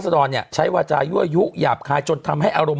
ดรเนี่ยใช้วาจายั่วยุหยาบคายจนทำให้อารมณ์